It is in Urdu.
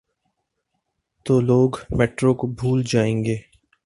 تو لوگ میٹرو کو بھول جائیں گے۔